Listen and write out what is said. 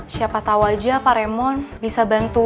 siapa tahu aja pak remon bisa bantu